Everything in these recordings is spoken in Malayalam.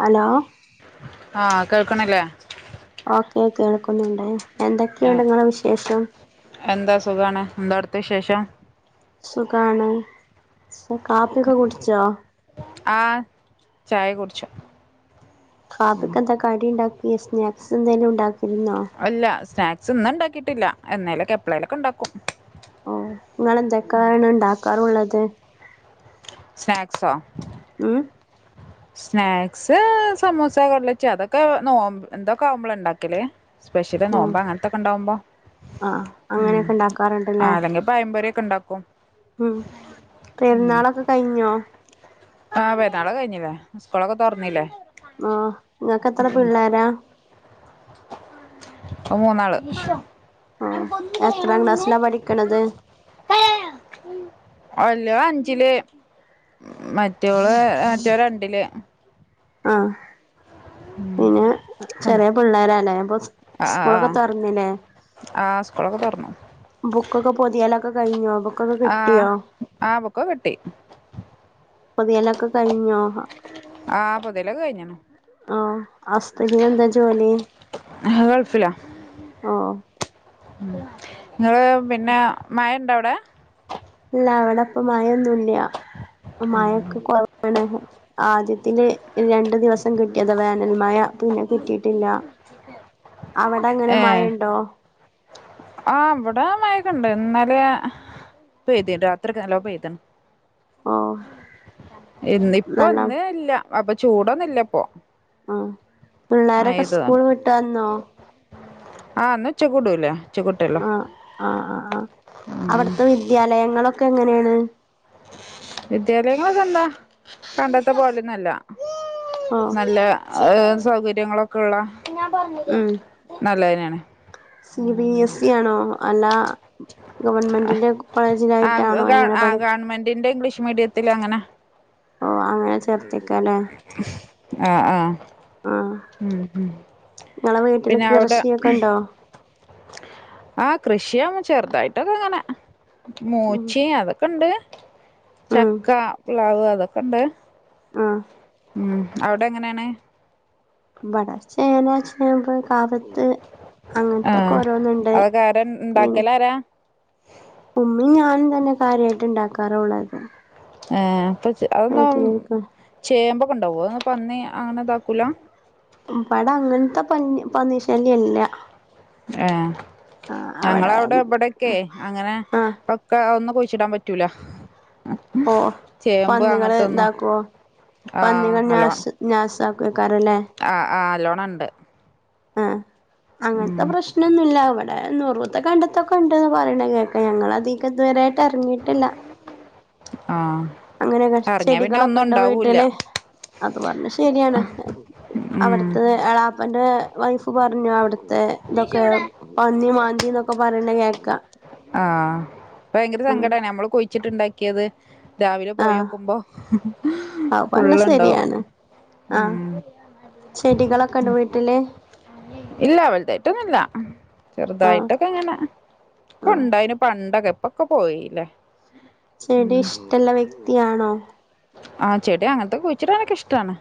ഹലോ ആഹ കേൾക്കണല്ലേ ഓക്കെ കേൾക്കുന്നുണ്ടേ എന്തൊക്കെയുണ്ട് നിങ്ങള് വിശേഷം എന്താ സുഖണ് എന്താ അവിടുത്തെ വിശേഷം സുഖാണ് കാപ്പിയൊക്കെ കുടിച്ചോ ആ ചായ കുടിച്ചു ഉം കാപ്പിക്ക് എന്താ കടിണ്ടാക്കി സ്നാക്സ് എന്തെങ്കിലും ഉണ്ടാക്കിയിരുന്നോ അല്ല സ്നാക്സ് ഇന്ന് ഉണ്ടാക്കിയിട്ടില്ല എന്നേലൊക്കെ എപ്പളേലൊക്കെ ഉണ്ടാക്കും ഓ നിങ്ങളെന്തൊക്കെയാണ് ഉണ്ടാക്കാറുള്ളത് സ്നാക്സോ ഉം സ്നാക്സ് സമോസ കട്ലറ്റും അതൊക്കെ നോം എന്തൊക്കെ ആവുമ്പോള ഉണ്ടാക്കല് സ്പെഷ്യല് നോമ്പോ അങ്ങനത്തൊക്കെണ്ടാവുമ്പോ ആഹ അങ്ങനെയൊക്കെ ഉണ്ടാക്കാറുണ്ടല്ലേ ആഹ് അല്ലെങ്കിൽ പഴംപൊരിയൊക്കെ ഉണ്ടാക്കും ഉം ഉം പെരുന്നാളൊക്കെ കഴിഞ്ഞോ ആഹ് പെരുന്നാൾ കഴിഞ്ഞില്ലേ സ്കൂളൊക്കെ തുറന്നില്ലേ ആഹ് നിങ്ങൾക്ക് എത്ര പിള്ളേരാ ന്ക്ക് മൂന്നാള് ഓ ഞാൻ കൊന്ന് കളിയണോ എത്രാം നിന്നെ ക്ലാസ്സിലാ പഠിക്കണത് അല്ലോ അഞ്ചില് മറ്റോള് അറ്റോ രണ്ടില് ആഹ് ഉം കൊണ്ട ചെറിയ പിള്ളേരാ ലേ അപ്പൊ സ്കൂളൊക്കെ തുറന്നില്ലേ ആഹ സ്കൂളൊക്കെ തൊർന്നു ബുക്കൊക്കെ പൊതിയാലൊക്കെ കഴിഞ്ഞോ ബുക്കൊക്കെ ആ കിട്ടിയോ ആ ബുക്കൊക്കെ കിട്ടി പൊതിയലൊക്കെ കഴിഞ്ഞോ ആഹ ആ പൊതിയലൊക്കെ കഴിഞ്ഞ്ണ് ഹസ്ബന്റിന്എന്താ ജോലി അഹ് ഗൾഫിലാ ഓ നിങ്ങള് പിന്നെ മഴ ഉണ്ടോ അവിടെ ഇല്ല അവിടെപ്പ മഴൊന്നുംല്ല മഴൊക്കെ കൊ ആണ് ആദ്യത്തിലെ രണ്ടു ദിവസം കിട്ടിയത് വേനൽമഴ പിന്നെ കിട്ടിയിട്ടില്ല അവിടെ എങ്ങനെ മഴ ഉണ്ടോ? ആഹാ ഇവിടെ മഴക്കുണ്ട് ഇന്നലെ പെയ്തിന്ന് രാത്രിക്കെ നല്ല പെയ്തണ്ട്. ഒഹോ ഇന്ന് ഇപ്പൊ ഇന്ന് ഇല്ല അപ്പൊ ചൂടാന്ന് ഇല്ല ഇപ്പോ ആാ പിള്ളേരൊക്കെ സ്കൂൾ വിട്ടു വന്നോ? ആഹാ ഇന്ന്‌ ഉച്ചക്ക് കൂടൂല്ലേ ആഹ ആഹാ ആാ ആാാ അവിടുത്തെ വിദ്യാലയങ്ങളൊക്കെ എങ്ങനെയാണ്? വിദ്യാലയങ്ങളൊക്കെ എന്താ പണ്ടത്തെപ്പോലെ ഒന്നുമല്ല ഓഹ് നല്ല സൗകര്യങ്ങളൊക്കെ ഉള്ള ഉം നല്ലതിനന്നെയാണ് സി ബി എസ് സി ആണോ അല്ല ഗവൺമെന്റിന്റെ ആ കോളേജിലായിട്ടാണോ എങ്ങനെ ആ പണി ഗവൺമെന്റിന്റെ ഇംഗ്ലീഷ് മീഡിയത്തിൽ അങ്ങനെ ഓ അങ്ങനെ ചേർത്തിക്കല്ലേ ആഹാ ആഹാ ആഹ് മം മ്മം നിങ്ങളെ വീട്ടില് കൃഷിയൊക്കെ ഉണ്ടോ? ആഹാ കൃഷി ചെറുതായിട്ടൊക്കെ അങ്ങനെ ഉം മൂച്ചയും അതൊക്കെ ഇണ്ട് ഉം ചക്ക പ്ലാവ് അതൊക്കെണ്ട് ആഹാ മം അവിടെ എങ്ങനെയാണ്- ഇബാടെ ചേന ചേമ്പ് കാവത്ത് ആ അങ്ങനത്തൊക്കെ ഓരോന്നുണ്ട് അതൊക്കെ ആരാ പിന്നെ ഉണ്ടാക്കല് ആരാ ഉമ്മിം ഞാനും തന്നെ കാര്യായിട്ട് ഉണ്ടാക്കാറുള്ളത്. ഏ അപ്പൊ അതൊന്ന വീട്ടിലിരിക്ക ചേമ്പൊക്കെ ഉണ്ടാവോ അതൊ പന്നി അങ്ങനെ ഇതാക്കൂല ഉം പയ്താ അങ്ങൻത്തെ പഞ് പന്നിശല്യല്ല ഏഹ് അവിടെ ഞങ്ങളവ്ടെ ബടെക്കെ അങ്ങനെ ആഹ് ഒ ക്കെ ഒന്നും കൂഴിച്ചിടാൻ പറ്റൂല ആ ഓഹ ചേമ്പ് പന്നികള് അങ്ങനത്തൊന്നും താക്കോ ആഹ് പന്നികൾ നല്ലോണം നശ് നാസാക്കോ ക്കാരല്ലേ ആഹ് ആഹ് അല്ലോണണ്ട് ആഹ് അങ്ങൻത്തെ പ്രശ് ശനൊന്നുല്ല വടെ ന്നെറുത്തെ കണ്ടത്തൊക്കെ ഉണ്ട്ന്ന് പറയണ കേൾക്ക ഞങ്ങൾ അതികത് വരായിട്ട് ഇറങ്ങിയിട്ടില്ല ആഹ് അങ്ങനെയൊക്കെ ഇറങ്ങിയ പിന്നെ ചെടികളൊക്കെ ഒന്നും ണ്ടോ ഉണ്ടാവൂല്ല വീട്ടില് അത് പറഞ്ഞ ശരിയാണ് ഉം അവിടുത്തത് എളാപ്പന്റെ വൈഫ് പറഞ്ഞു അവിടു ത്തെ ഇതൊക്കെ പന്നി മാന്തി ന്നൊക്കെ പറയണെ കേക്കാ ആഹ് ഭയങ്കര ഉം സങ്കടാണ് ഞമ്മള് കൊഴിച്ചിട്ടുണ്ടാ ക്ക്യത് രാവിലെ ആഹ് പോയോക്കുമ്പോ അത് പറഞ്ഞ ഫുള്ള്ണ്ടാവും ശരിയാണ് ഉം ആഹ് ചെടികളൊക്കെ ഉണ്ട് വീട്ടില് ഇല്ല വലുതായിട്ടൊന്നും ഇല്ല ആഹ് ചെറുതായിട്ടൊക്കെ ങ്ങനെ ആഹ് കൊണ്ടായിന് പണ്ടൊക്കെ ഒക്കെ പോയില്ലേ ചെടി ഉം ഇഷ്ടള്ള വ്യക്തിയാണോ ആഹ് ചെടി അങ്ങൻത്തോകുഴിച്ചിടാനോക്കെ ഇഷ്ടാണ്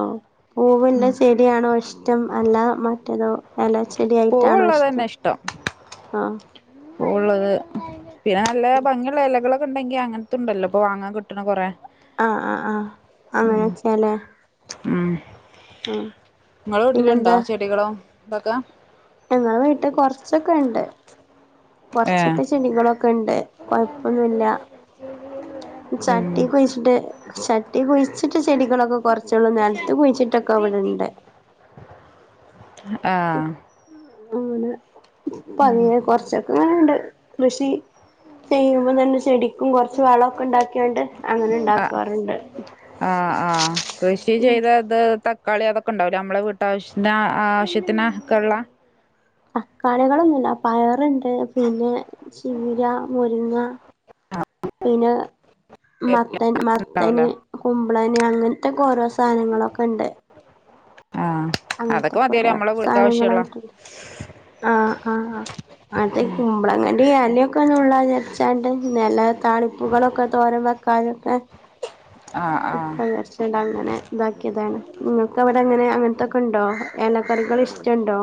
ഓഹ് പൂവ്ല്ല ചെടിയാണോ ഇഷ്ടം അല്ല മറ്റേതോ എല ചെടിയായിട്ടാണോ പൂവുള്ളത് ഇഷ്ടം ആഹ് പൂവ്ള്ളത് പിന്നെ നല്ല ഭംഗിയുള്ള ഇലകളൊക്കെ ണ്ടെങ്കിൽ അങ്ങനത്തണ്ടല്ലോ ഇപ്പൊ വാങ്ങാൻ കിട്ടണ കുറെ ആഹ് ആഹ് ആഹ് അങ്ങനെച്ചാല് ഉം ങ്ങളെ വീട്ടിലുണ്ടോ പിന്നെന്താ ചെടികളോ ഇതൊക്കെ ഞങ്ങളെ വീട്ടിൽ കൊറച്ചൊക്കെണ്ട് ഏ കൊറച്ചൊക്കെ ചെടികളൊക്കെണ്ട് കൊഴപ്പൊന്നുല്ല ഉം ചട്ടി കൊഴിച്ചിട്ട് ചട്ടി കുഴിച്ചിട്ട് ചെടികളൊക്കെ കൊറച്ചോളം നിലത്ത് കുഴിച്ചിട്ടൊക്കെ വിടെണ്ട് ആഹ് ങ്ങനെ ഉം പർഞ്ഞീലെ കൊറച്ചൊക്കെങ്ങനെണ്ട് കൃഷി ചെയ്യുമ്പോ തന്നെ ചെടിക്കും കൊറച്ച് വളക്കെ ഉണ്ടാക്കിയാണ്ട് ആ അങ്ങനെണ്ടാക്കാറുണ്ട് ആഹ് ആഹ് കൃഷി ചെയ്ത ത് തക്കാളി അതൊക്കെ ണ്ടാവ് ലെ നമ്മുടെ വീട്ടാവശ്യത്തിനാ ആവശ്യത്തിനക്കെ ള്ള തക്കാളികളൊന്നുല്ല പയറുണ്ട് പിന്നെ ചീര മുരിങ്ങ പിന്നെ മത്തൻ മത്തന് ഉണ്ടാവൂലേ കുമ്പളന് അങ്ങൻത്തെക്കെ ഓരോ സാധനങ്ങളൊക്കെണ്ട് ആഹ് അതൊക്കെ മതിയല്ലേ ഓരോ നമ്മളെ വിട്ക്ക ആവശ്യള്ള സാധനങ്ങളായിട്ടുണ്ട് ആഹ് ആഹ് അതെ കുമ്പളങ്ങന്റിലൊക്കെ ന്നുള്ള വിചരിച്ചാണ്ട് നില താളിപ്പുകളൊക്കെ തോര വെക്കാതൊക്കെ ആഹ് ആഹ് [unintelligible] ങ്ങനെ ഇതാക്കിയതാണ് നിങ്ങൾക്ക് അവിടെ അങ്ങനെ അങ്ങനത്തൊക്കെ ഉണ്ടോ എല കറികൾ ഇഷ്ടണ്ടോ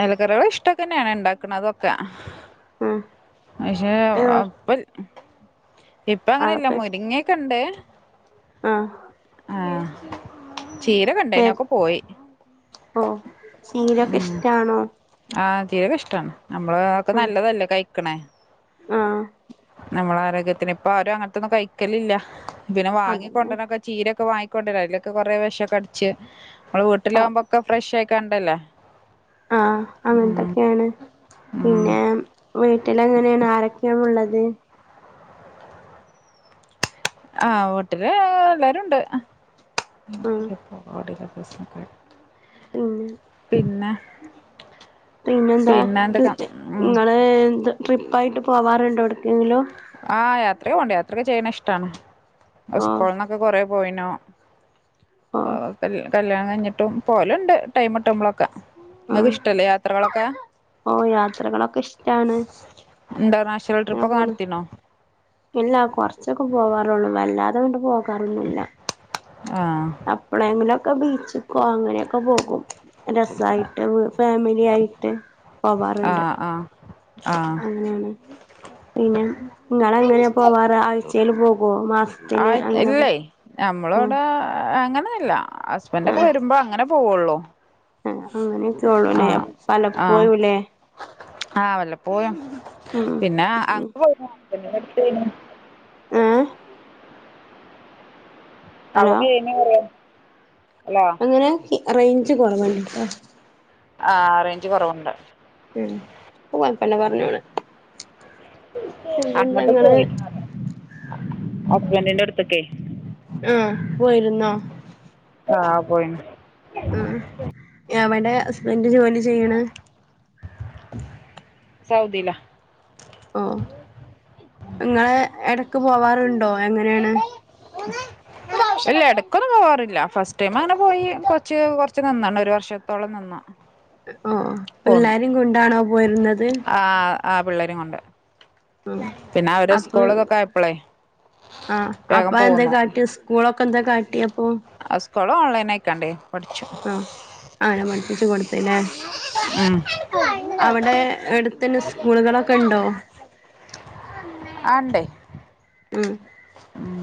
ഏലക്കറികൾ ഇഷ്ടക്കന്നെണ് ണ്ടാക്ണതൊക്കെ അഹ് അക്ഷേ ഒപ്പ ഇപ്പ അങ്ങനെല്ല മുരിങ്ങക്കെണ്ട് അഹ് ആഹ് ചീര കണ്ടേനി ആഹ് അഒക്കെ പോയി ഓ ശീലൊക്കെ ഉം ഇഷ്ടാണോ ആഹ് ച്ചീരക ഇഷ്ടാണ് നമ്മള് ക്കെ ഉം നല്ലതല്ലേ കഴിക്കണേ ആഹ് നമ്മള ആരോഗ്യത്തിന് ഇപ്പൊ ആരും അങ്ങനത്തൊന്നും കഴിക്കലില്ല പിന്നെ വാങ്ങി അതന്നെ കൊണ്ടരൻക്കെ ചീരൊക്കെ വാങ്ങിക്കൊണ്ടിര അതിലൊക്കെ കുറേ വെഷോക്കെ അടച്ച് നമ്മള് വീട്ടിലാകുമ്പോക്കെ ഫ്രഷ് ആയി കണ്ടല്ലേ ആഹ ഉം അങ്ങനത്തൊക്കെയാണ് ഉം പിന്നെ വീട്ടിലെങ്ങനെയാണ് ആരൊക്കെയാ ഉള്ളത് ആഹ് വീട്ടില് എല്ലാരുണ്ട് ഉം പിന്നെ പിന്നെ പിന്നെന്താ പിന്നെ എന്തൊക്കെ ഉം ഇങ്ങള് എന്താ ട്രിപ്പായിട്ട് പോവാറുണ്ടോ എവിടുക്കെങ്കിലും ആഹ് യാത്രക്കെ പോണ്ട് യാത്രക്കെ ചെയ്യണ ഇഷ്ടാണ് ഓ സ്കൂളന്നൊക്ക ഒക്കെ കൊറെ പോയിനു ഓ കല്യാണംകഴിഞ്ഞിട്ടും പോകലുണ്ട് ടൈമിട്ടുമ്പളൊക്കെ നിങ്ങൾക്ക് ആഹ് ഇഷ്ടമല്ലേ യാത്രകളൊക്കെ ഓ യാത്രകളൊക്കെ ഇഷ്ടാണ് ഇന്റർനാഷണൽ അങ്ങനെ ട്രിപ്പൊക്കെ പോണ് നടത്തിണോ ഇല്ല കൊറച്ചൊക്കെ പോകാറുള്ളു വല്ലാതെങ്ങട്ട് പോകാറൊന്നുല്ല ആഹ എപ്പളെലെങ്കിലൊക്കെ ബീച്ചിക്കോ അങ്ങനെയൊക്കെ പോകും രസായിട്ട് ഫാമിലിയായിട്ട് പോകാറുണ്ട് ആഹ പിന്നെ നിങ്ങളെങ്ങനെയാ പോവാറ് ആഴ്ചയിൽ പോകോ മാസ ആഹാ ഇല്ലേ നമ്മളിവിട അങ്ങനെയൊന്നുല്ല ഹസ്ബന്റൊക്കെ വരുമ്പോ അങ്ങനെ പോവുള്ളൂ ആ അങ്ങനെയൊക്കെ ഉള്ളൂല്ലെ പലപ്പോയുംല്ലേ ആ വല്ലപ്പോയും ഉം പിന്നെ അങ് ഉം [unintelligible] ഏഹ് ഹലോ അവിടെയ്നിം റയാ ഹലോ എങ്ങനെ റേഞ്ച് കുറവാണ് ട്ടോ ആ റൈഞ്ച് കുറവുണ്ട് ഉം ഇപ്പംകൊഴപ്പല്ല പറഞ്ഞോളീം അങ്ങോട്ട് പോയിനോ ഹസ്ബന്റിന്റെ അടുത്ക്കേ ആഹ പോയിരുന്നോ ആ പോയിന് ഉം എവടെ ഹസ്ബന്റ് ജോലി ചെയ്യണ് സൗദിലാ ഓ ഇങ്ങള് എടക്ക് പോവാറുണ്ടോ എങ്ങനെയാണ് [inaudible] ഇല്ല എടക്ക്പോവാറില്ല ഫസ്റ്റ് ടൈം അങ്ങനെ പോയി കൊറച്ച് കൊറച്ച് നിന്നിണ് ഒരു വർഷത്തോളം നിന്നു ഓ പിള്ളേരിം കൊണ്ടാണോ പോയിരുന്നത് ആഹാ ആഹാ പിള്ളേരും കൊണ്ട് ഉം പിന്നെ അവര് അപ്പൊ സ്കൂള് ഇതൊക്കെ ആയപ്പളേ ആഹ വേഗം അപ്പൊ പോന്നു എന്താക്കാട്ടി സ്‌ക സ്കോളൊക്കെ എന്താ കാട്ടി അപ്പൊ സ്ക്കൂൾ ഓൺലൈനാക്കണ്ടേ പഠിച്ചു ആ അങ്ങനെ പഠിപ്പിച്ചു കൊടുത്ത്ല്ലേ ഉം അവിടെ എടു തന്നെ സ്കൂളുകളൊക്കെ ഉണ്ടോ ആ ഇണ്ടേ ഉം ഉം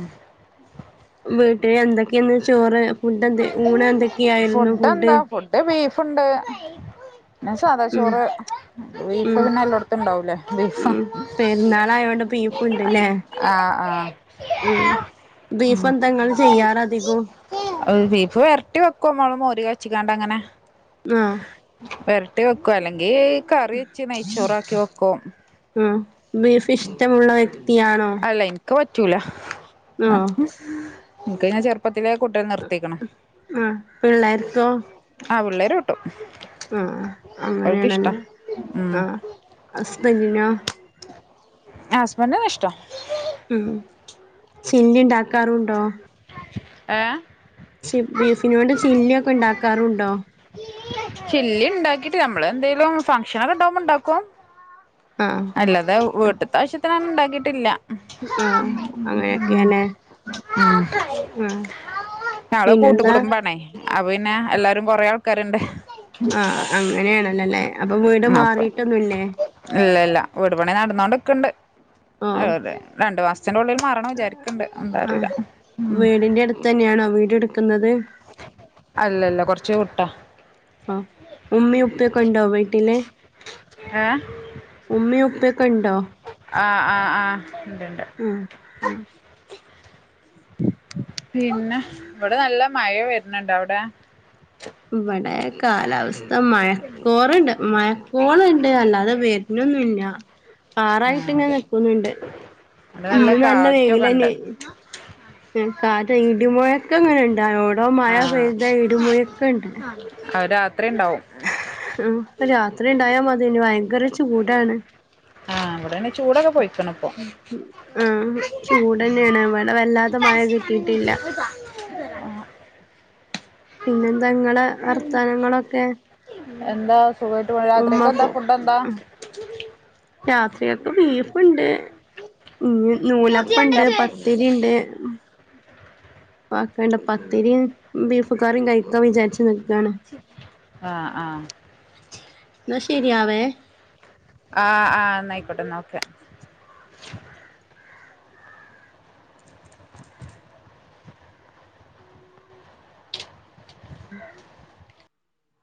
വീട്ടില് എന്തൊക്കെയന്ന് ചോറ് ഫുഡ് എന്ത ഊണ് എന്തൊക്കെയായിരുന്നു ഫുഡ് അത് ബീഫുണ്ട് പിന്ന സാധാ ഉം ചോറ് ബീഫ് ഉം പിന്നെ എല്ലായിടത്തും ഉണ്ടാവൂലേ ബീഫ് ളായോണ്ട് ബീഫ്ണ്ട്ല്ലെ ആഹ് ആഹ് ഉം ഉം ബീഫെന്താ ങ്ങെള് ചെയ്യാറധികും ഏഹ് ബീഫ് വെര്ട്ടി വെക്കും മ്മൾ മോര് കാച്ചിക്കാണ്ട് അങ്ങനെ ആഹ് വെര്ട്ടി വെക്കും അല്ലെങ്കീ ഉം ബീഫ് ഇഷ്ടമുള്ള വ്യക്തിയാണോ ക്ക് പറ്റൂല ആഹ് ഇൻക്ക് പിന്നെ ആ ചെർ പ്പത്തിലേ കൂട്ടൽ നിർത്തീക്ക്ണ് ആഹ് പിള്ളേർക്കോ ആഹ് പിള്ളേര് കൂട്ടും ആഹ് ഓൽക്കിഷ്ടാ അങ്ങനെയാണല്ലേ ഉം ആഹ് ഹസ്ബന്റിനോ ഏഹ് ഹസ്ബന്റിന് ഇഷ്ടാ ഉം ചില്ലിണ്ടാക്കാറുണ്ടോ ഏഹ് ച് ബീഫിനോണ്ട് ചില്ല്യൊക്കെ ണ്ടാക്കാറുണ്ടോ ചില്ലിണ്ടാക്കീട്ട് അമ്മള് എന്തേലും ഫംഗഷനൊക്കെ ണ്ടാവുമ്പം ണ്ടാക്കും ആഹ് അല്ലാതെ വീട്ട്ത്താവശ്യത്തിനൊന്നും ണ്ടാക്കീട്ടില്ല ആഹ് ഉം അങ്ങനെയൊക്കെയാല്ലേ ഉം ആഹ് ഞങ്ങള് കൂട്ടു പിന്നെന്താ കുടുംബാണേ അപ്പൊ പിന്നെ എല്ലാരും കൊറേ ആൾക്കാര്ണ്ട് ആഹ് അങ്ങനെയാണല്ലല്ലേ അപ്പം വീട് അപ്പൊ മാറീട്ടൊന്നുല്ലേ ഇല്ല ഇല്ല വീട് പണി നടന്നോണ്ട്ക്ക്ണ്ട് ഓഹ് അതെ അതെ രണ്ട് മാസ്ത്തിന്റെ ഉള്ളില് മാറണം വിചാരിക്ക്ണ്ട് എന്താ ആഹ് അറീലാ വീടിന്റെ അട്ത്തെന്ന്യാണോ വീട് ഇട്ക്ക്ന്നത് അല്ലല്ല കൊർച്ച് വ്ട്ടാ ആഹ് ഉമ്മിം ഉപ്പ്യൊക്കെണ്ടോ വീട്ടില് ഏ ഉമ്മിം ഉപ്പ്യൊക്കെണ്ടോ ആഹ് ആഹ് ആഹ് ണ്ട് ണ്ട് ആഹ് ആഹ് പിന്നെ വ്ടെ നല്ല മയ വര്ന്ണ്ട് അവ്ടെ ഇവടെ കാലാവസ്ഥ മഴ ക്കോറ്ണ്ട് മയക്കോള്ണ്ട് അല്ലാതെ വര്ണൊന്നുല്ല ആ കാറായിട്ട് ഇങ്ങെനെ അതെ നിക്കുന്നുണ്ട് ഇവിടെ ഇന്ന് നല്ല കാറ്റൊക്കെ വെയിലെഞ്ഞേനി ഉണ്ട് ഉം കാറ്റ ഇടിമാെഴക്കങ്ങെനെണ്ട് ഒവ്ടോ മയ ആഹ് പെയ്ത ഇടിമുഴക്കണ്ട് അത് രാത്രി ണ്ടാവും ഉം പ്പൊ രാത്രി ണ്ടായാ മത്യേനി ഭയെങ്കെര ചൂടാണ് ആഹ് വ്ടേണ് ഉം ഉം ആഹ് ചൂടെന്നേണ് ഇവടെ വല്ലാതെ മയ കിട്ടീട്ടില്ലാ ആഹ് പിന്നെന്താങ്ങളെ വർത്താനങ്ങളൊക്കെ എന്താ സുഖായിട്ട് പോ രാത്രിക്കെന്താ ഉമ്മക്കും ഫുഡ്ഡെന്താ രാത്രിയേക്ക് ബീഫ്ണ്ട് ഇഞ് നൂലപ്പണ്ട് പത്തി രിണ്ട് പ്പ അക്കെണ്ട് പത്തിരിം ബീഫ് കറിയും കയ്ക്കാ വിചാര്ച്ച് ന്ക്കാണ് ആഹ് ആഹ് ന്നാ ശെരിയാവേ ആഹ് ആഹ് ന്നായ്ക്കോട്ടെ ന്നാ ഓക്കെ [unintelligible]